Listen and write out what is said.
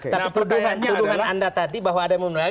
tapi tuduhan anda tadi bahwa ada yang memenuhi